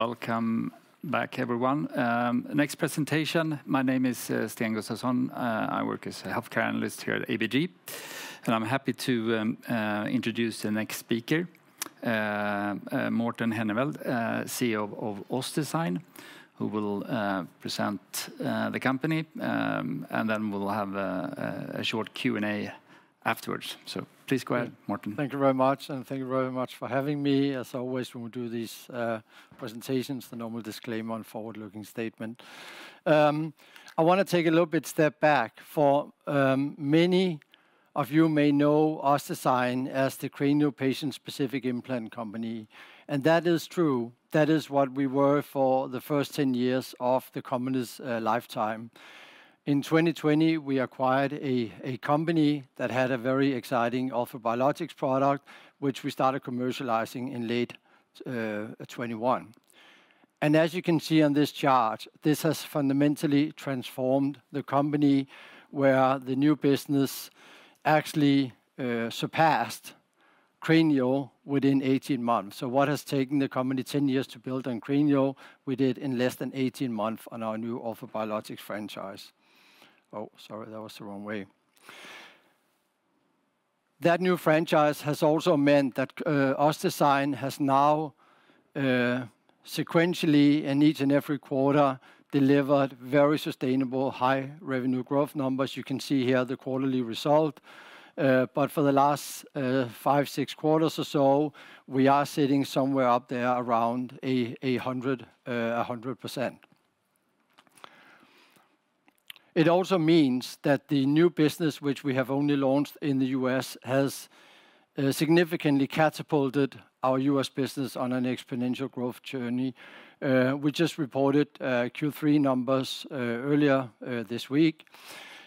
Welcome back, everyone. Next presentation, my name is Sten Gustafsson. I work as a healthcare analyst here at ABG, and I'm happy to introduce the next speaker, Morten Henneveld, CEO of OssDsign, who will present the company. And then we'll have a short Q&A afterwards. So please go ahead, Morten. Thank you very much, and thank you very much for having me. As always, when we do these presentations, the normal disclaimer on forward-looking statement. I want to take a little bit step back, for many of you may know OssDsign as the cranial patient-specific implant company, and that is true. That is what we were for the first 10 years of the company's lifetime. In 2020, we acquired a company that had a very exciting orthobiologics product, which we started commercializing in late 2021. And as you can see on this chart, this has fundamentally transformed the company, where the new business actually surpassed cranial within 18 months. So what has taken the company 10 years to build on cranial, we did in less than 18 months on our new orthobiologics franchise. Oh, sorry, that was the wrong way. That new franchise has also meant that OssDsign has now sequentially, in each and every quarter, delivered very sustainable, high revenue growth numbers. You can see here the quarterly result, but for the last five, six quarters or so, we are sitting somewhere up there around 100%. It also means that the new business, which we have only launched in the US, has significantly catapulted our US business on an exponential growth journey. We just reported Q3 numbers earlier this week,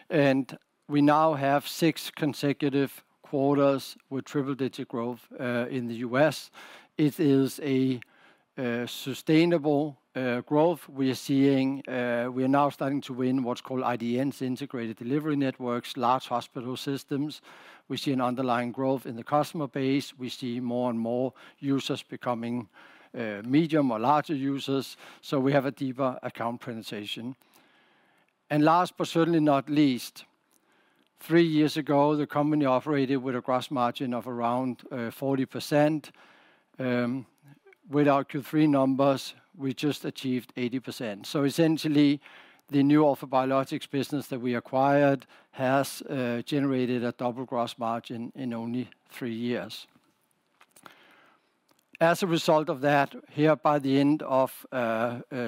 and we now have six consecutive quarters with triple-digit growth in the US. It is a sustainable growth. We are seeing... We are now starting to win what's called IDNs, integrated delivery networks, large hospital systems. We see an underlying growth in the customer base. We see more and more users becoming medium or larger users, so we have a deeper account penetration. Last, but certainly not least, three years ago, the company operated with a gross margin of around 40%. With our Q3 numbers, we just achieved 80%. So essentially, the new orthobiologics business that we acquired has generated a double gross margin in only three years. As a result of that, here by the end of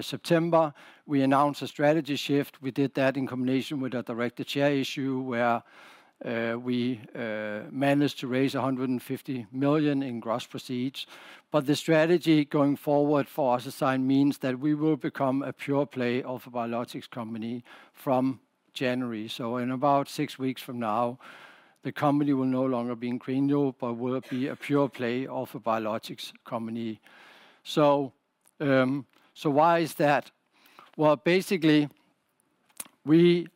September, we announced a strategy shift. We did that in combination with a directed share issue, where we managed to raise 150 million in gross proceeds. But the strategy going forward for OssDsign means that we will become a pure-play orthobiologics company from January. So in about six weeks from now, the company will no longer be in Cranial but will be a pure-play orthobiologics company. So, why is that? Well, basically, we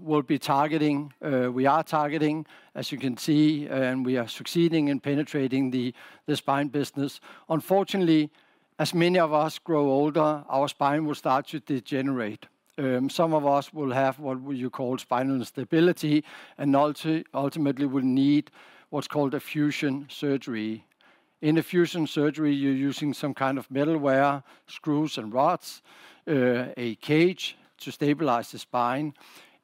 will be targeting, as you can see, and we are succeeding in penetrating the spine business. Unfortunately, as many of us grow older, our spine will start to degenerate. Some of us will have what you call spinal instability and ultimately will need what's called a fusion surgery. In a fusion surgery, you're using some kind of metalware, screws and rods, a cage to stabilize the spine.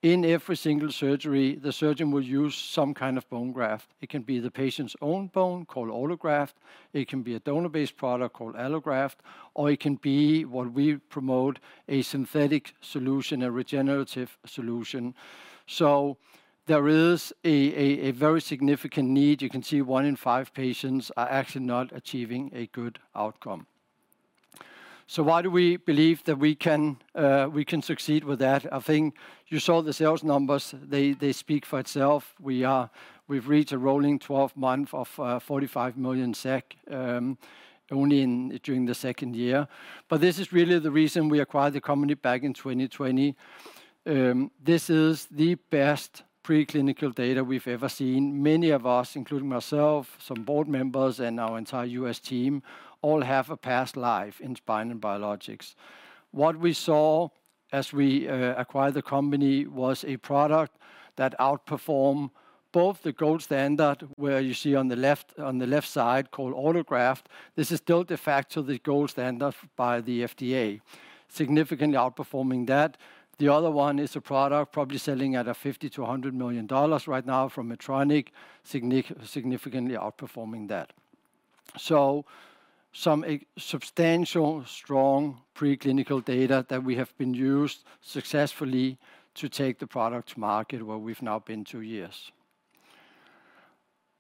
In every single surgery, the surgeon will use some kind of bone graft. It can be the patient's own bone, called autograft. It can be a donor-based product, called allograft, or it can be what we promote, a synthetic solution, a regenerative solution. So there is a very significant need. You can see one in five patients are actually not achieving a good outcome. So why do we believe that we can succeed with that? I think you saw the sales numbers. They speak for itself. We've reached a rolling 12-month of 45 million SEK only during the second year. But this is really the reason we acquired the company back in 2020. This is the best preclinical data we've ever seen. Many of us, including myself, some board members, and our entire U.S. team, all have a past life in spine and biologics. What we saw as we acquired the company was a product that outperform both the gold standard, where you see on the left, on the left side, called autograft. This is still de facto the gold standard by the FDA, significantly outperforming that. The other one is a product probably selling at a $50-$100 million right now from Medtronic, significantly outperforming that. So some substantial, strong preclinical data that we have used successfully to take the product to market, where we've now been two years.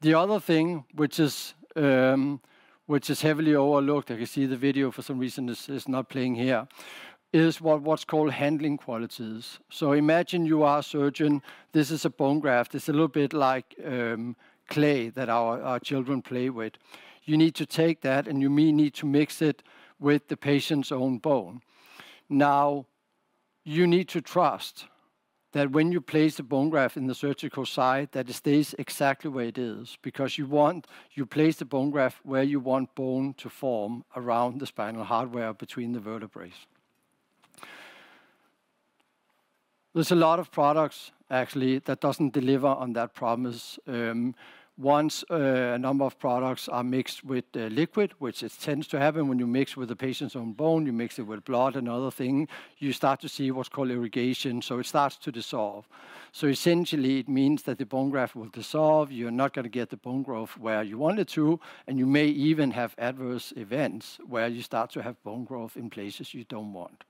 The other thing, which is heavily overlooked, I can see the video for some reason is not playing here, is what's called handling qualities. So imagine you are a surgeon. This is a bone graft. It's a little bit like clay that our children play with. You need to take that, and you may need to mix it with the patient's own bone. Now-... You need to trust that when you place the bone graft in the surgical site, that it stays exactly where it is, because you want-- You place the bone graft where you want bone to form around the spinal hardware between the vertebrae. There's a lot of products actually that doesn't deliver on that promise. Once a number of products are mixed with the liquid, which it tends to happen when you mix with the patient's own bone, you mix it with blood and other thing, you start to see what's called migration, so it starts to dissolve. So essentially, it means that the bone graft will dissolve, you're not going to get the bone growth where you want it to, and you may even have adverse events, where you start to have bone growth in places you don't want.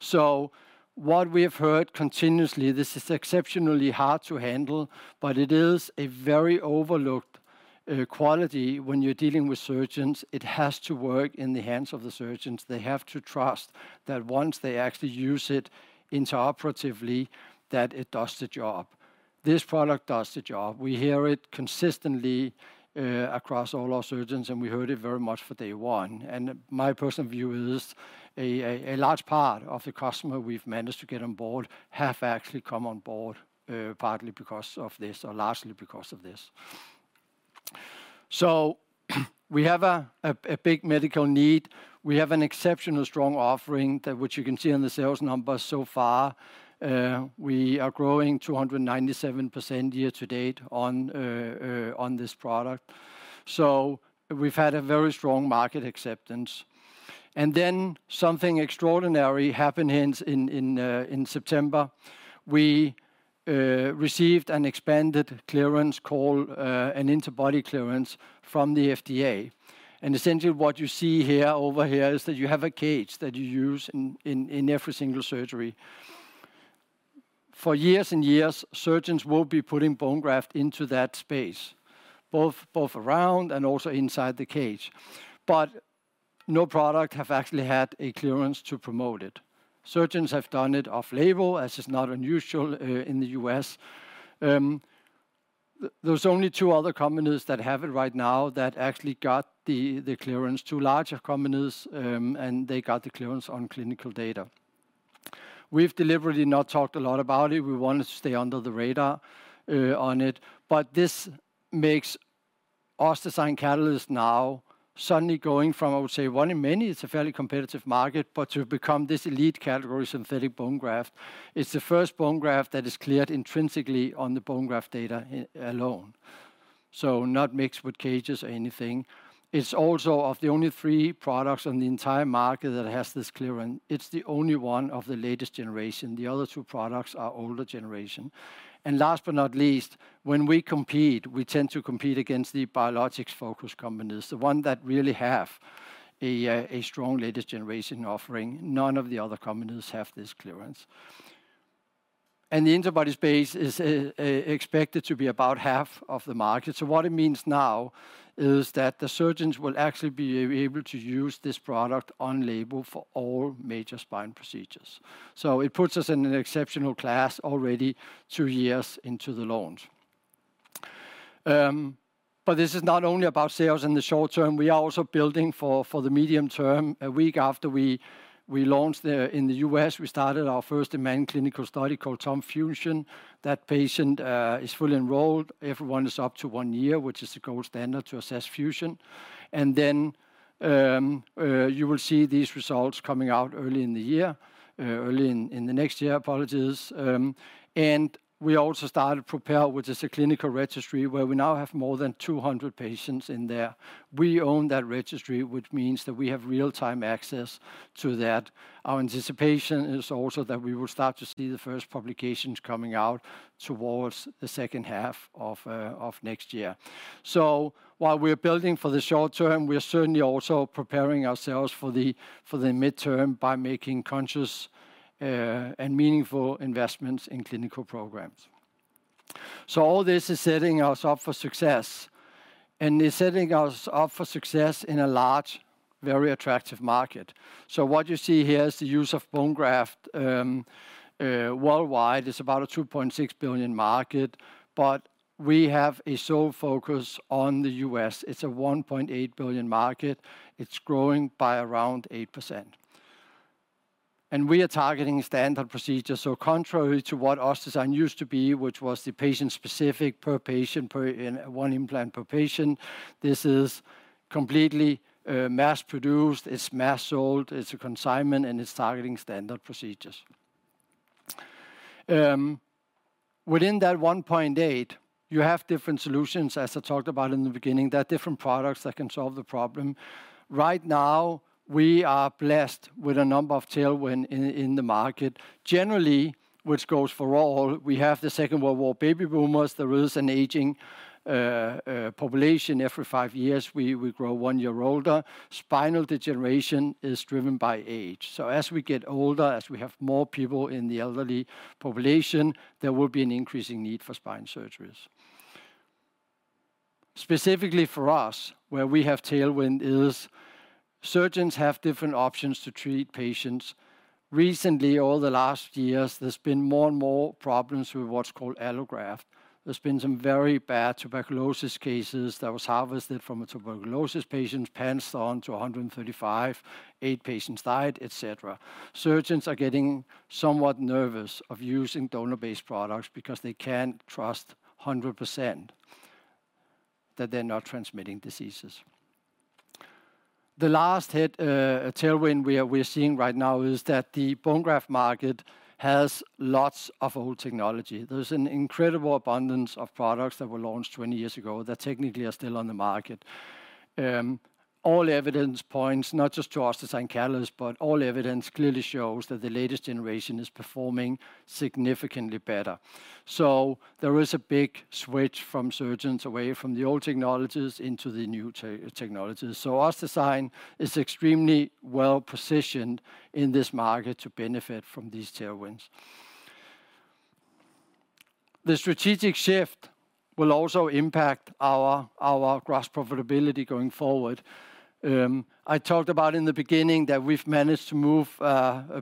So what we have heard continuously, this is exceptionally hard to handle, but it is a very overlooked quality when you're dealing with surgeons. It has to work in the hands of the surgeons. They have to trust that once they actually use it intraoperatively, that it does the job. This product does the job. We hear it consistently across all our surgeons, and we heard it very much from day one. And my personal view is, a large part of the customer we've managed to get on board have actually come on board partly because of this or largely because of this. So we have a big medical need. We have an exceptional strong offering that which you can see in the sales numbers so far. We are growing 297% year to date on this product. So we've had a very strong market acceptance. And then something extraordinary happened hence in September. We received an expanded clearance called an interbody clearance from the FDA. And essentially what you see here, over here, is that you have a cage that you use in every single surgery. For years and years, surgeons will be putting bone graft into that space, both around and also inside the cage. But no product have actually had a clearance to promote it. Surgeons have done it off-label, as is not unusual in the U.S. There's only two other companies that have it right now that actually got the clearance, two larger companies, and they got the clearance on clinical data. We've deliberately not talked a lot about it. We wanted to stay under the radar, on it. But this makes OssDsign Catalyst now suddenly going from, I would say, one in many, it's a fairly competitive market, but to become this elite category synthetic bone graft. It's the first bone graft that is cleared intrinsically on the bone graft data alone. So not mixed with cages or anything. It's also of the only three products on the entire market that has this clearance. It's the only one of the latest generation. The other two products are older generation. And last but not least, when we compete, we tend to compete against the biologics-focused companies, the one that really have a, a strong latest generation offering. None of the other companies have this clearance. The interbody space is expected to be about half of the market. So what it means now is that the surgeons will actually be able to use this product on label for all major spine procedures. So it puts us in an exceptional class already two years into the launch. But this is not only about sales in the short term, we are also building for the medium term. A week after we launched in the US, we started our first demand clinical study called TOP FUSION. That patient is fully enrolled. Everyone is up to one year, which is the gold standard to assess fusion. And then you will see these results coming out early in the next year, apologies. And we also started PREPARE, which is a clinical registry, where we now have more than 200 patients in there. We own that registry, which means that we have real-time access to that. Our anticipation is also that we will start to see the first publications coming out towards the second half of next year. So while we're building for the short term, we are certainly also preparing ourselves for the midterm by making conscious and meaningful investments in clinical programs. So all this is setting us up for success, and it's setting us up for success in a large, very attractive market. So what you see here is the use of bone graft worldwide. It's about a $2.6 billion market, but we have a sole focus on the U.S. It's a $1.8 billion market. It's growing by around 8%. We are targeting standard procedures. Contrary to what OssDsign used to be, which was the patient-specific per patient, per implant, one implant per patient, this is completely mass-produced, it's mass-sold, it's a consignment, and it's targeting standard procedures. Within that 1.8, you have different solutions, as I talked about in the beginning, there are different products that can solve the problem. Right now, we are blessed with a number of tailwinds in the market. Generally, which goes for all, we have the Second World War baby boomers, there is an aging population. Every five years, we grow one year older. Spinal degeneration is driven by age. So as we get older, as we have more people in the elderly population, there will be an increasing need for spine surgeries... Specifically for us, where we have tailwind is, surgeons have different options to treat patients. Recently, over the last years, there's been more and more problems with what's called allograft. There's been some very bad tuberculosis cases that was harvested from a tuberculosis patient, passed on to 135, 8 patients died, et cetera. Surgeons are getting somewhat nervous of using donor-based products because they can't trust 100% that they're not transmitting diseases. The last hit, tailwind we're seeing right now is that the bone graft market has lots of old technology. There's an incredible abundance of products that were launched 20 years ago that technically are still on the market. All evidence points, not just to OssDsign Catalyst, but all evidence clearly shows that the latest generation is performing significantly better. So there is a big switch from surgeons away from the old technologies into the new technologies. OssDsign is extremely well-positioned in this market to benefit from these tailwinds. The strategic shift will also impact our gross profitability going forward. I talked about in the beginning that we've managed to move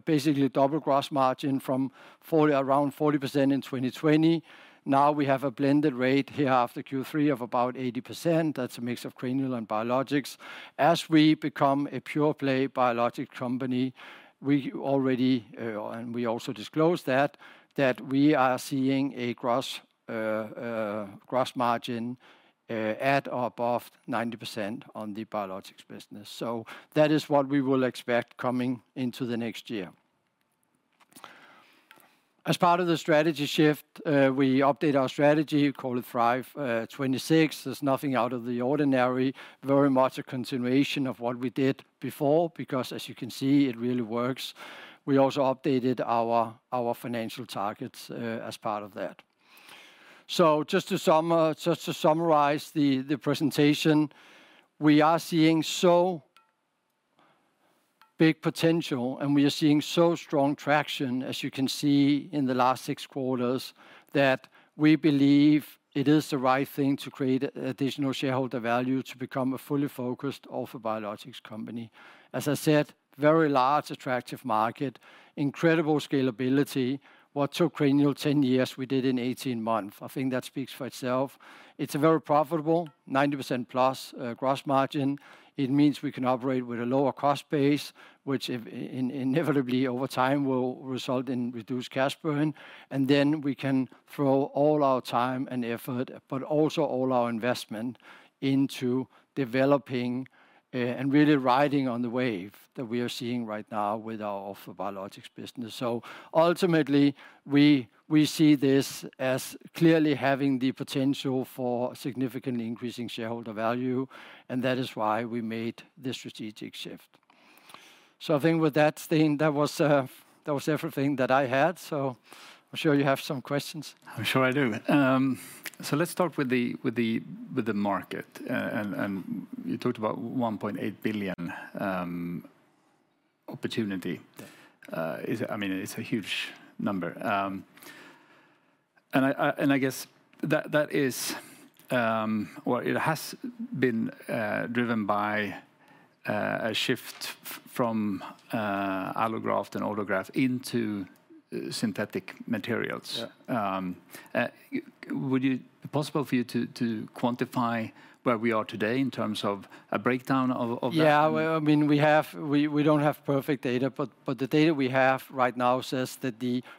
basically double gross margin from around 40% in 2020. Now, we have a blended rate here after Q3 of about 80%. That's a mix of cranial and biologics. As we become a pure-play biologic company, we already and we also disclosed that we are seeing a gross margin at or above 90% on the biologics business. So that is what we will expect coming into the next year. As part of the strategy shift, we update our strategy, call it ASCEND 2026. There's nothing out of the ordinary, very much a continuation of what we did before, because as you can see, it really works. We also updated our financial targets as part of that. So just to summarize the presentation, we are seeing so big potential, and we are seeing so strong traction, as you can see in the last 6 quarters, that we believe it is the right thing to create additional shareholder value to become a fully focused orthobiologics company. As I said, very large, attractive market, incredible scalability. What took Cranial 10 years, we did in 18 months. I think that speaks for itself. It's a very profitable, 90%+, gross margin. It means we can operate with a lower cost base, which inevitably, over time, will result in reduced cash burn, and then we can throw all our time and effort, but also all our investment, into developing and really riding on the wave that we are seeing right now with our orthobiologics business. So ultimately, we, we see this as clearly having the potential for significantly increasing shareholder value, and that is why we made this strategic shift. So I think with that, Sten, that was, that was everything that I had, so I'm sure you have some questions. I'm sure I do. So let's start with the market, and you talked about $1.8 billion opportunity. Yeah. I mean, it's a huge number. I guess that is, or it has been, driven by a shift from allograft and autograft into synthetic materials. Yeah. Would it be possible for you to quantify where we are today in terms of a breakdown of that? Yeah, well, I mean, we have—we don't have perfect data, but the data we have right now says that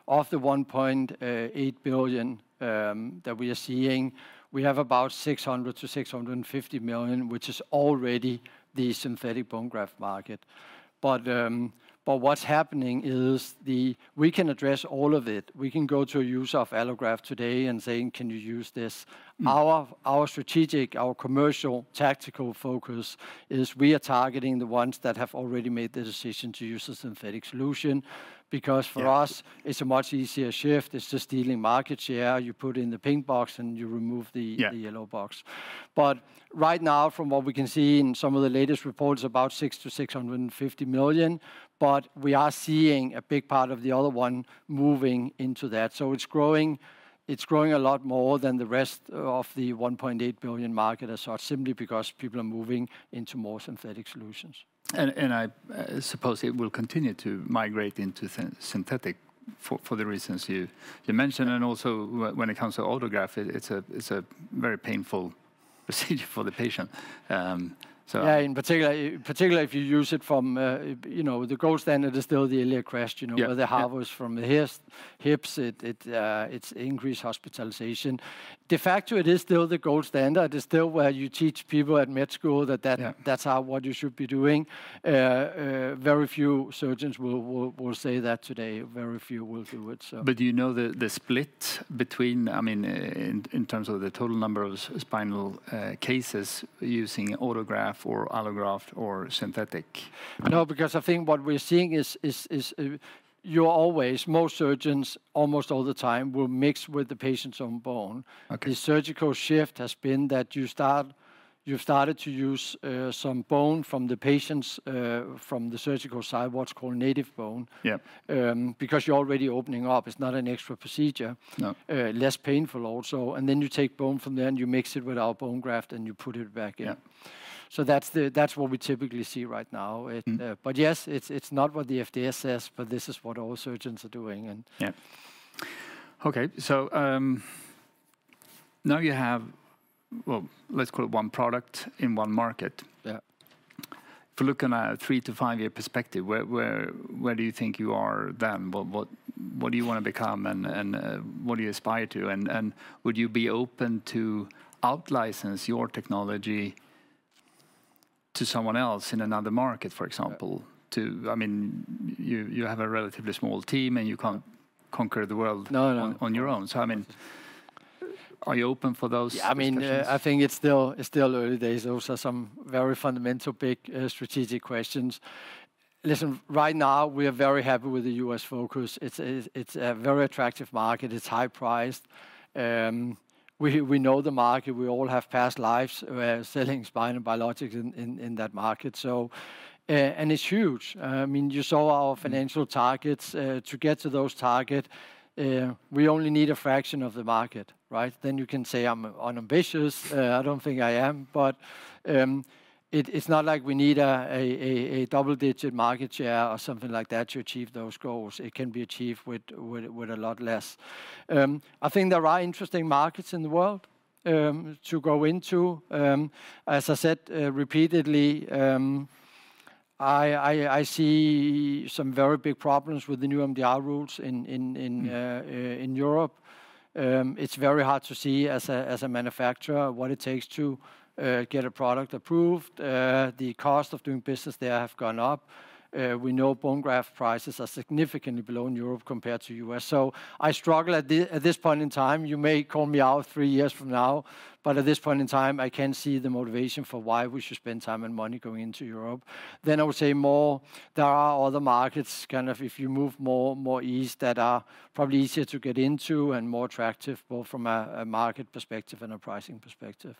of the $1.8 billion that we are seeing, we have about $600 million-$650 million, which is already the synthetic bone graft market. But what's happening is the... We can address all of it. We can go to a user of allograft today and saying, "Can you use this? Mm. Our strategic commercial tactical focus is, we are targeting the ones that have already made the decision to use a synthetic solution, because for us- Yeah... it's a much easier shift. It's just stealing market share. You put in the pink box, and you remove the- Yeah... the yellow box. But right now, from what we can see in some of the latest reports, about $6 million-$650 million, but we are seeing a big part of the other one moving into that. So it's growing, it's growing a lot more than the rest of the $1.8 billion market as far, simply because people are moving into more synthetic solutions. I suppose it will continue to migrate into synthetic for the reasons you mentioned. And also, when it comes to autograft, it's a very painful procedure for the patient. So- Yeah, in particular, particularly if you use it from, you know, the gold standard is still the iliac crest, you know- Yeah... where they harvest from the hips. It’s increased hospitalization. De facto, it is still the gold standard. It’s still where you teach people at med school that that- Yeah... that's how what you should be doing. Very few surgeons will say that today. Very few will do it, so- Do you know the split between, I mean, in terms of the total number of spinal cases using autograft or allograft or synthetic? No, because I think what we're seeing is you always... Most surgeons, almost all the time, will mix with the patient's own bone. Okay. The surgical shift has been that you've started to use some bone from the patients from the surgical site, what's called native bone. Yeah. Because you're already opening up, it's not an extra procedure. No. Less painful also, and then you take bone from there, and you mix it with our bone graft, and you put it back in. Yeah. So that's what we typically see right now. Mm. But yes, it's, it's not what the FDA says, but this is what all surgeons are doing, and- Yeah. Okay, so, now you have, well, let's call it one product in one market. Yeah. If you're looking at a 3-5-year perspective, where do you think you are then? What do you want to become, and what do you aspire to? Would you be open to out-license your technology to someone else in another market, for example? Yeah. I mean, you have a relatively small team, and you can't conquer the world... No, no... on your own. So I mean, are you open for those discussions? Yeah, I mean, I think it's still, it's still early days. Those are some very fundamental, big, strategic questions. Listen, right now, we are very happy with the U.S. focus. It's a, it's a very attractive market. It's high priced. We, we know the market. We all have past lives where selling spine and biologics in, in, in that market. So, and it's huge. I mean, you saw our- Mm... financial targets. To get to those target, we only need a fraction of the market, right? Then you can say I'm unambitious. I don't think I am, but, it's not like we need a double-digit market share or something like that to achieve those goals. It can be achieved with a lot less. I think there are interesting markets in the world to go into. As I said, repeatedly, I see some very big problems with the new MDR rules in, Mm... in Europe. It's very hard to see, as a manufacturer, what it takes to get a product approved. The cost of doing business there have gone up. We know bone graft prices are significantly below in Europe compared to US. So I struggle at this point in time. You may call me out three years from now, but at this point in time, I can't see the motivation for why we should spend time and money going into Europe. Then I would say more, there are other markets, kind of, if you move more east, that are probably easier to get into and more attractive, both from a market perspective and a pricing perspective.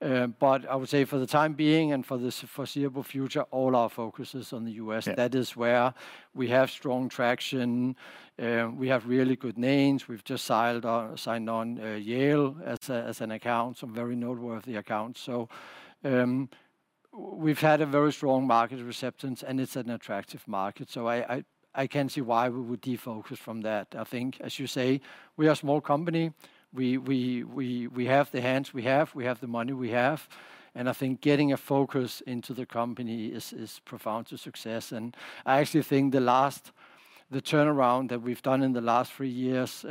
But I would say for the time being and for the foreseeable future, all our focus is on the US. Yeah. That is where we have strong traction, we have really good names. We've just signed on Yale as an account, some very noteworthy accounts. So, we've had a very strong market acceptance, and it's an attractive market. So I can't see why we would defocus from that. I think, as you say, we are a small company. We have the hands we have, we have the money we have, and I think getting a focus into the company is profound to success. And I actually think the last, the turnaround that we've done in the last three years,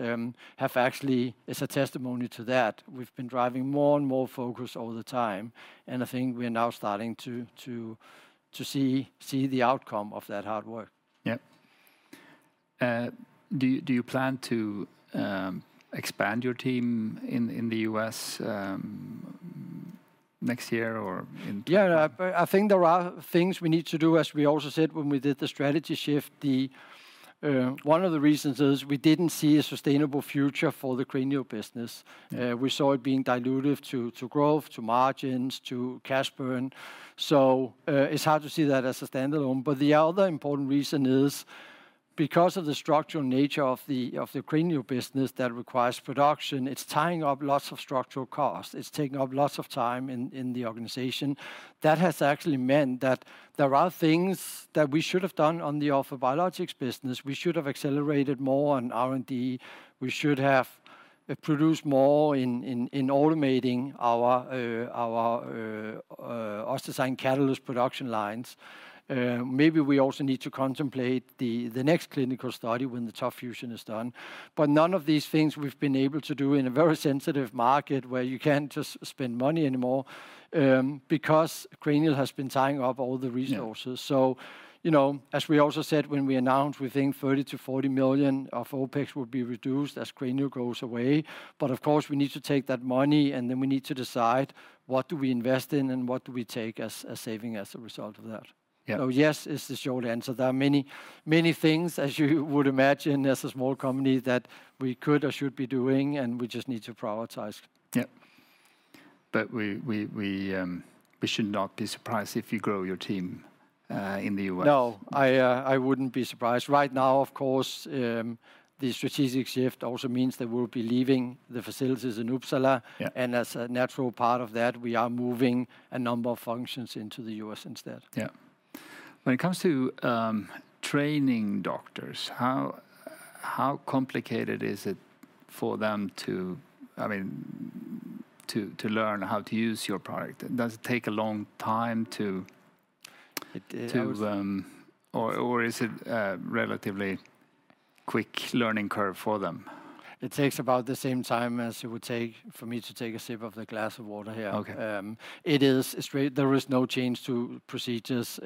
have actually is a testimony to that. We've been driving more and more focus over the time, and I think we are now starting to see the outcome of that hard work. Yeah. Do you plan to expand your team in the US next year or in two years? Yeah, I think there are things we need to do, as we also said when we did the strategy shift. The one of the reasons is we didn't see a sustainable future for the cranial business. Mm. We saw it being dilutive to growth, to margins, to cash burn. So, it's hard to see that as a standalone. But the other important reason is, because of the structural nature of the cranial business that requires production, it's tying up lots of structural costs. It's taking up lots of time in the organization. That has actually meant that there are things that we should have done on the orthobiologics business. We should have accelerated more on R&D. We should have produced more in automating our OssDsign Catalyst production lines. Maybe we also need to contemplate the next clinical study when the TOP FUSION is done. None of these things we've been able to do in a very sensitive market, where you can't just spend money anymore, because cranial has been tying up all the resources. Yeah. So, you know, as we also said when we announced, we think 30 million-40 million of OpEx would be reduced as cranial goes away. But of course, we need to take that money, and then we need to decide what do we invest in and what do we take as, as saving as a result of that. Yeah. So, yes, is the short answer. There are many, many things, as you would imagine, as a small company, that we could or should be doing, and we just need to prioritize. Yeah. But we should not be surprised if you grow your team in the US? No, I wouldn't be surprised. Right now, of course, the strategic shift also means that we'll be leaving the facilities in Uppsala. Yeah. As a natural part of that, we are moving a number of functions into the U.S. instead. Yeah. When it comes to training doctors, how complicated is it for them to, I mean, to learn how to use your product? Does it take a long time to- I was-... to, or is it a relatively quick learning curve for them? It takes about the same time as it would take for me to take a sip of the glass of water here. Okay. There is no change to procedures.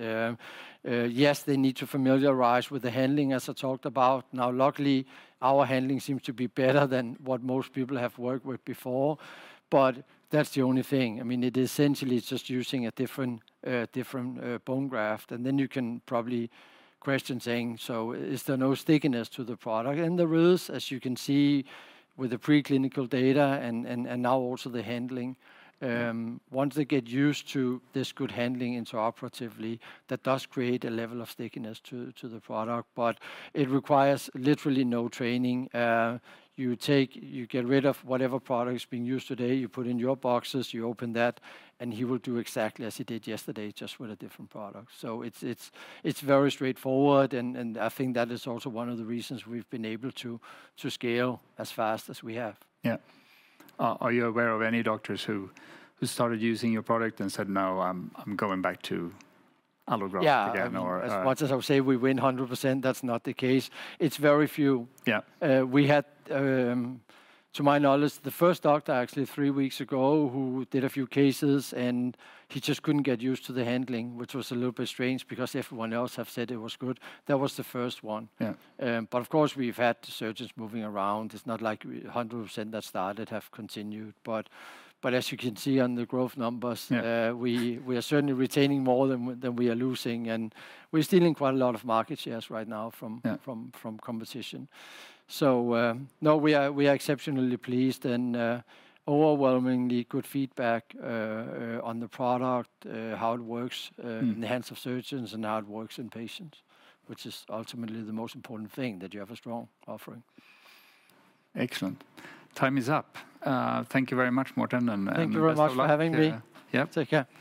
Yes, they need to familiarize with the handling, as I talked about. Now, luckily, our handling seems to be better than what most people have worked with before, but that's the only thing. I mean, it essentially is just using a different bone graft. And then you can probably question, saying: "So is there no stickiness to the product?" And there is, as you can see with the preclinical data and now also the handling. Mm. Once they get used to this good handling interoperatively, that does create a level of stickiness to the product, but it requires literally no training. You take, you get rid of whatever product is being used today, you put in your boxes, you open that, and he will do exactly as he did yesterday, just with a different product. So it's very straightforward, and I think that is also one of the reasons we've been able to scale as fast as we have. Yeah. Are you aware of any doctors who started using your product and said, "No, I'm going back to allograft again? Yeah. Or, uh- As much as I would say, we win 100%, that's not the case. It's very few. Yeah. We had, to my knowledge, the first doctor, actually 3 weeks ago, who did a few cases, and he just couldn't get used to the handling, which was a little bit strange, because everyone else have said it was good. That was the first one. Yeah. But of course, we've had surgeons moving around. It's not like 100% that started have continued. But as you can see on the growth numbers- Yeah... we are certainly retaining more than we are losing, and we're stealing quite a lot of market shares right now from- Yeah... from competition. So, no, we are exceptionally pleased and overwhelmingly good feedback on the product how it works- Mm... in the hands of surgeons, and how it works in patients, which is ultimately the most important thing, that you have a strong offering. Excellent. Time is up. Thank you very much, Morten, and best of luck- Thank you very much for having me. Yeah. Take care.